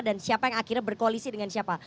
dan siapa yang akhirnya berkoalisi dengan siapa